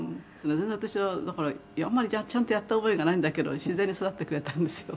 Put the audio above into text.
「全然私はだからあんまりちゃんとやった覚えがないんだけど自然に育ってくれたんですよ」